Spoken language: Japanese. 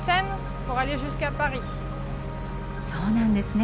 そうなんですね。